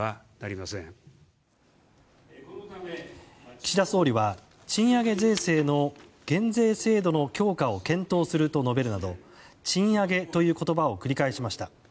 岸田総理は賃上げ税制の減税制度の強化を検討すると述べるなど賃上げという言葉を繰り返しました。